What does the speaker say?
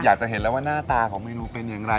อยากจะเห็นแล้วว่าหน้าตาของเมนูเป็นอย่างไร